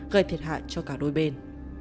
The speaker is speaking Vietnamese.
gây thiệt hại cho cả đôi bên